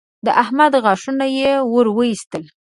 د احمد غاښونه يې ور واېستل